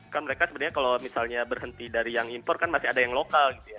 kan mereka sebenarnya kalau misalnya berhenti dari yang impor kan masih ada yang lokal gitu ya